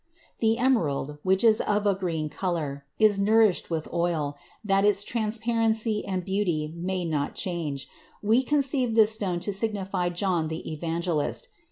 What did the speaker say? The emerald, which is of a green color, is nourished with oil, that its transparency and beauty may not change; we conceive this stone to signify John the Evangelist.